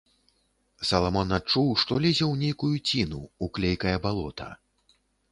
Саламон адчуў, што лезе ў нейкую ціну, у клейкае балота.